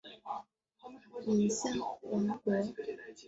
敏象王国。